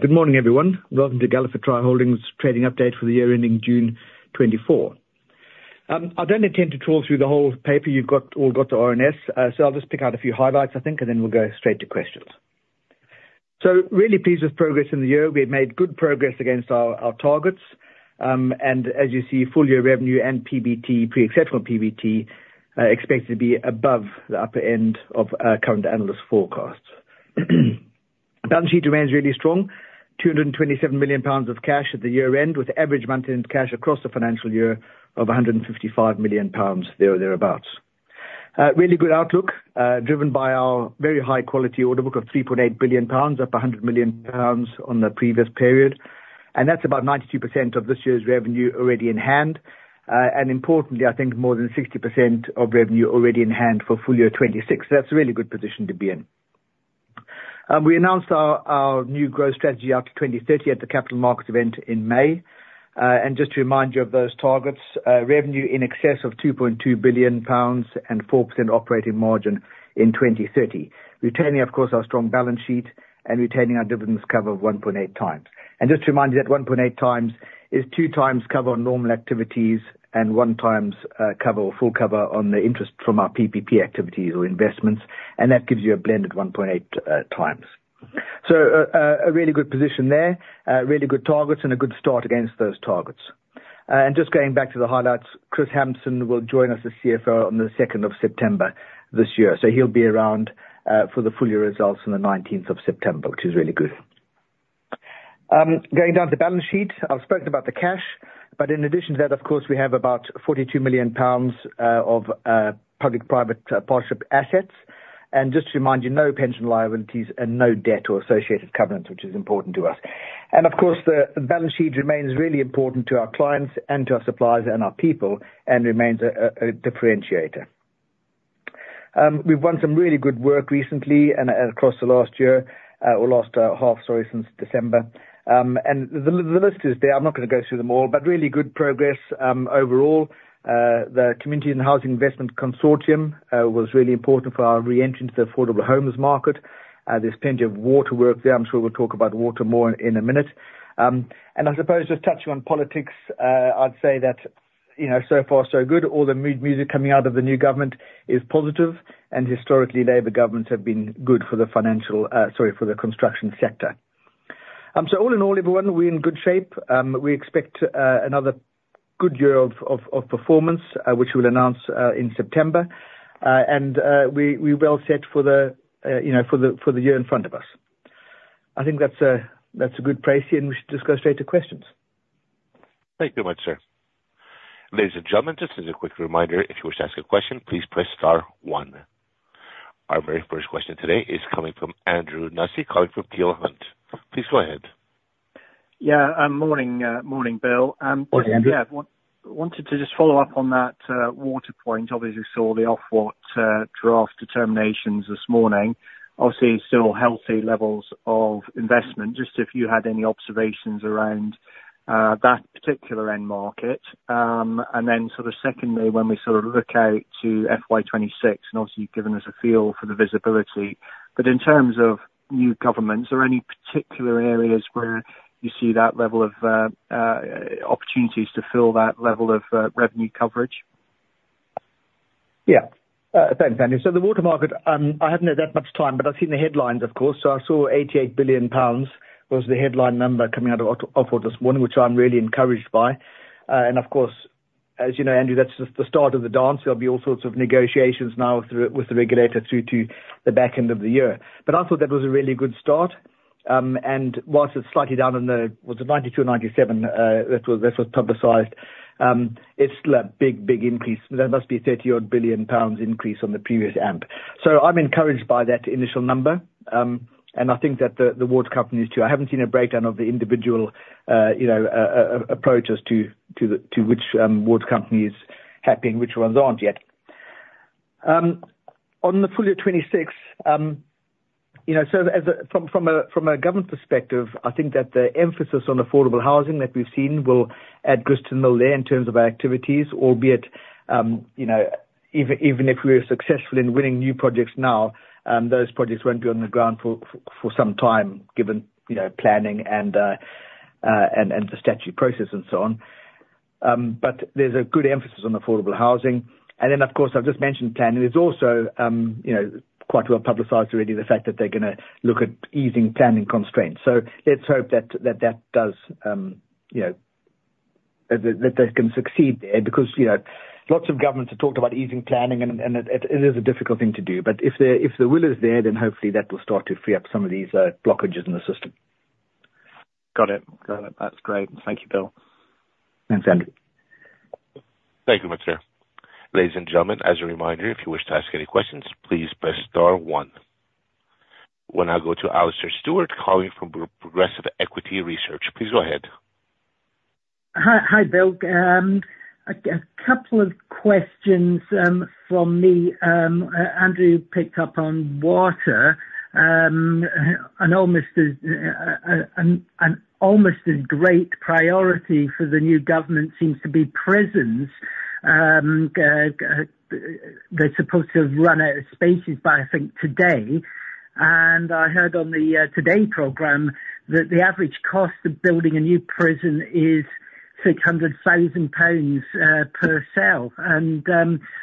Good morning, everyone. Welcome to Galliford Try Holdings' trading update for the year ending June 2024. I don't intend to trawl through the whole paper; you've all got the RNS. I'll just pick out a few highlights, I think, and then we'll go straight to questions. Really pleased with progress in the year. We've made good progress against our targets. As you see, full year revenue and PBT, pre-exceptional PBT, expected to be above the upper end of current analyst forecasts. Balance sheet remains really strong: 227 million pounds of cash at the year-end, with average maintenance cash across the financial year of 155 million pounds thereabouts. Really good outlook, driven by our very high-quality order book of 3.8 billion pounds, up 100 million pounds on the previous period. That's about 92% of this year's revenue already in hand. Importantly, I think more than 60% of revenue already in hand for full year 2026. So that's a really good position to be in. We announced our new growth strategy out to 2030 at the Capital Markets event in May. Just to remind you of those targets: revenue in excess of 2.2 billion pounds and 4% operating margin in 2030, retaining, of course, our strong balance sheet and retaining our dividends cover of 1.8 times. Just to remind you that 1.8 times is 2 times cover on normal activities and 1 times cover or full cover on the interest from our PPP activities or investments. And that gives you a blended 1.8 times. So a really good position there, really good targets, and a good start against those targets. Just going back to the highlights, Kris Hampson will join us as CFO on the 2nd of September this year. He'll be around for the full year results on the 19th of September, which is really good. Going down to the balance sheet, I've spoken about the cash, but in addition to that, of course, we have about 42 million pounds of public-private partnership assets. Just to remind you, no pension liabilities and no debt or associated covenants, which is important to us. Of course, the balance sheet remains really important to our clients and to our suppliers and our people and remains a differentiator. We've done some really good work recently and across the last year or last half, sorry, since December. The list is there. I'm not going to go through them all, but really good progress overall. The Communities and Housing Investment Consortium was really important for our re-entry into the affordable homes market. There's plenty of water work there. I'm sure we'll talk about water more in a minute. And I suppose just touching on politics, I'd say that so far, so good. All the mood music coming out of the new government is positive. And historically, Labour governments have been good for the financial, sorry, for the construction sector. So all in all, everyone, we're in good shape. We expect another good year of performance, which we'll announce in September. And we're well set for the year in front of us. I think that's a good place here, and we should just go straight to questions. Thank you very much, sir. Ladies and gentlemen, just as a quick reminder, if you wish to ask a question, please press star one. Our very first question today is coming from Andrew Nussey, colleague from Peel Hunt. Please go ahead. Yeah, morning, Bill. Morning, Andrew. Yeah, wanted to just follow up on that water point. Obviously, we saw the Ofwat draft determinations this morning. Obviously, still healthy levels of investment. Just if you had any observations around that particular end market. And then sort of secondly, when we sort of look out to FY26, and obviously you've given us a feel for the visibility. But in terms of new governments, are there any particular areas where you see that level of opportunities to fill that level of revenue coverage? Yeah, thanks, Andrew. So the water market, I haven't had that much time, but I've seen the headlines, of course. So I saw 88 billion pounds was the headline number coming out of Ofwat this morning, which I'm really encouraged by. And of course, as you know, Andrew, that's just the start of the dance. There'll be all sorts of negotiations now with the regulator through to the back end of the year. But I thought that was a really good start. And while it's slightly down in the, was it 92 or 97 that was publicized, it's still a big, big increase. That must be 30 billion pounds increase on the previous AMP. So I'm encouraged by that initial number. And I think that the water companies too. I haven't seen a breakdown of the individual approaches to which water companies are happy and which ones aren't yet. On the full year 2026, so from a government perspective, I think that the emphasis on affordable housing that we've seen will add good stimuli in terms of our activities, albeit even if we're successful in winning new projects now, those projects won't be on the ground for some time, given planning and the statutory process and so on. But there's a good emphasis on affordable housing. And then, of course, I've just mentioned planning. There's also quite well publicized already the fact that they're going to look at easing planning constraints. So let's hope that that does, that they can succeed there because lots of governments have talked about easing planning, and it is a difficult thing to do. But if the will is there, then hopefully that will start to free up some of these blockages in the system. Got it. Got it. That's great. Thank you, Bill. Thanks, Andrew. Thank you very much, sir. Ladies and gentlemen, as a reminder, if you wish to ask any questions, please press star one. We'll now go to Alastair Stewart, colleague from Progressive Equity Research. Please go ahead. Hi, Bill. A couple of questions from me. Andrew picked up on water. An almost as great priority for the new government seems to be prisons. They're supposed to have run out of spaces by, I think, today. I heard on the Today program that the average cost of building a new prison is 600,000 pounds per cell.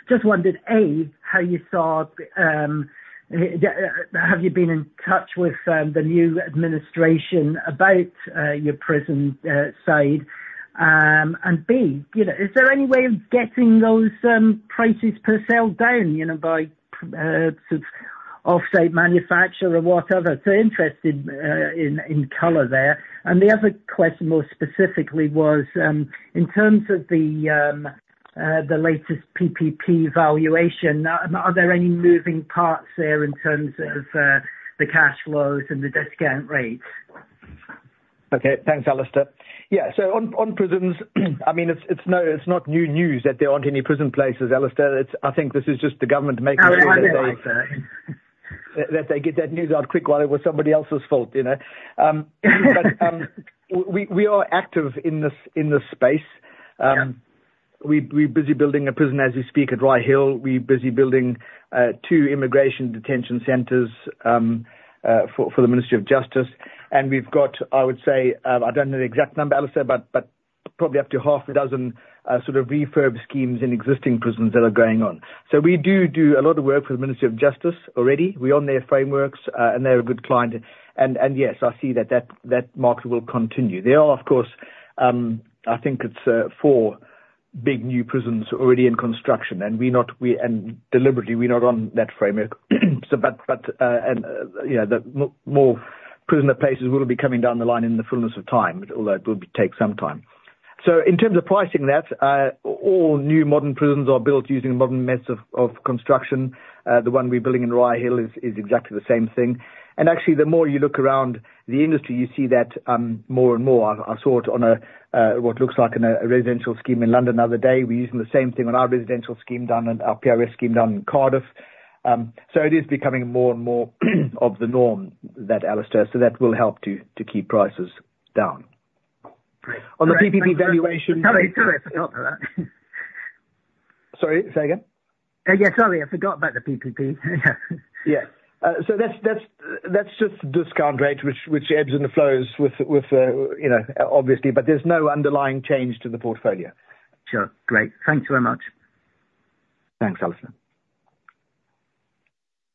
Just wondered, A, how you saw, have you been in touch with the new administration about your prison side? And B, is there any way of getting those prices per cell down by sort of off-site manufacturer or whatever? So interested in color there. And the other question more specifically was in terms of the latest PPP valuation, are there any moving parts there in terms of the cash flows and the discount rates? Okay, thanks, Alastair. Yeah, so on prisons, I mean, it's not new news that there aren't any prison places, Alastair. I think this is just the government making a little bit of a... that news out quick while it was somebody else's fault. But we are active in the space. We're busy building a prison as we speak at Rye Hill. We're busy building 2 immigration detention centers for the Ministry of Justice. And we've got, I would say, I don't know the exact number, Alastair, but probably up to 6 sort of refurb schemes in existing prisons that are going on. So we do do a lot of work for the Ministry of Justice already. We own their frameworks, and they're a good client. And yes, I see that that market will continue. There are, of course, I think it's 4 big new prisons already in construction. And deliberately, we're not on that framework. But more prisoner places will be coming down the line in the fullness of time, although it will take some time. So in terms of pricing that, all new modern prisons are built using modern methods of construction. The one we're building in Rye Hill is exactly the same thing. And actually, the more you look around the industry, you see that more and more. I saw it on what looks like a residential scheme in London the other day. We're using the same thing on our residential scheme down at our PRS scheme down in Cardiff. So it is becoming more and more of the norm, Alastair, so that will help to keep prices down. On the PPP valuation. Sorry, say again? Yeah, sorry, I forgot about the PPP. Yeah. So that's just discount rate, which ebbs and flows with, obviously, but there's no underlying change to the portfolio. Sure. Great. Thanks very much. Thanks, Alastair.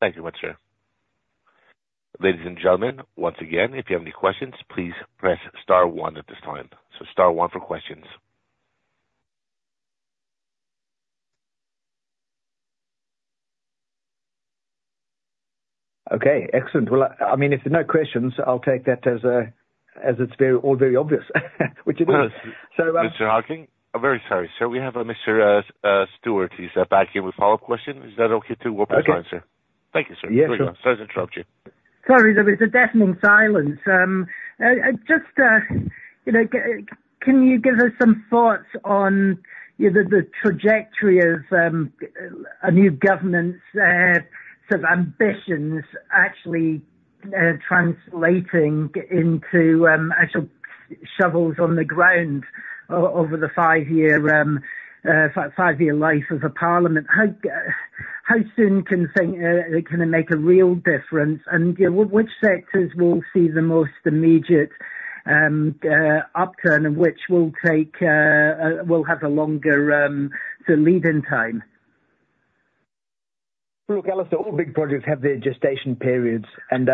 Thank you very much, sir. Ladies and gentlemen, once again, if you have any questions, please press star one at this time. So star one for questions. Okay, excellent. Well, I mean, if there's no questions, I'll take that as it's all very obvious, which it is. Mr. Hocking, very sorry, sir. We have Mr. Stewart. He's back here with follow-up questions. Is that okay too? Okay. What was your answer? Thank you, sir. There you go. Sorry to interrupt you. Sorry, there was a deafening silence. Just can you give us some thoughts on the trajectory of a new government's sort of ambitions actually translating into actual shovels on the ground over the five-year life of a parliament? How soon can it make a real difference? And which sectors will see the most immediate upturn, and which will have a longer lead-in time? Look, Alastair, all big projects have their gestation periods, and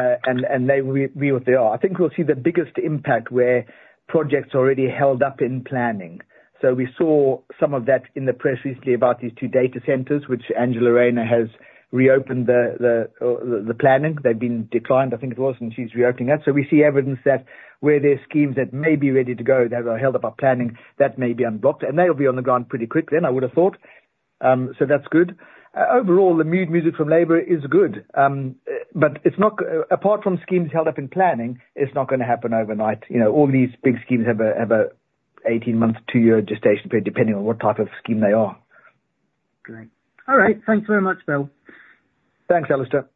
they will be what they are. I think we'll see the biggest impact where projects are already held up in planning. So we saw some of that in the press recently about these two data centers, which Angela Rayner has reopened the planning. They've been declined, I think it was, and she's reopening that. So we see evidence that where there are schemes that may be ready to go, that are held up by planning, that may be unblocked. And they'll be on the ground pretty quickly, and I would have thought. So that's good. Overall, the mood music from Labour is good. But apart from schemes held up in planning, it's not going to happen overnight. All these big schemes have an 18-month to year gestation period, depending on what type of scheme they are. Great. All right. Thanks very much, Bill. Thanks, Alistair.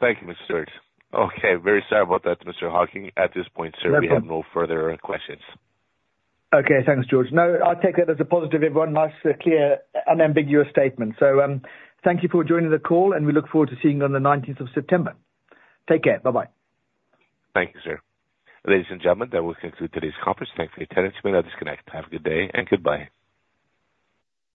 Thank you, Mr. Stewart. Okay, very sorry about that, Mr. Hocking. At this point, sir, we have no further questions. Okay, thanks, George. No, I'll take that as a positive. Everyone nice, clear, unambiguous statement. So thank you for joining the call, and we look forward to seeing you on the 19th of September. Take care. Bye-bye. Thank you, sir. Ladies and gentlemen, that will conclude today's conference. Thanks for your attention. We'll now disconnect. Have a good day and goodbye.